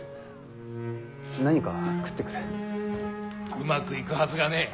うまくいくはずがねえ。